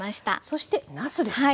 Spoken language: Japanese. そしてなすですね。